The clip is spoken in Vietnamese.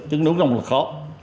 chứ đúng không là khó